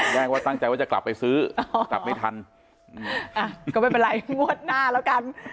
แจ้งว่าตั้งใจว่าจะกลับไปซื้อกลับไม่ทันอ่ะก็ไม่เป็นไรงวดหน้าแล้วกัน